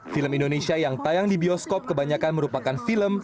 film indonesia yang tayang di bioskop kebanyakan merupakan film